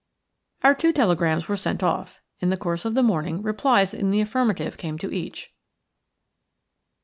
Our two telegrams were sent off. In the course of the morning replies in the affirmative came to each.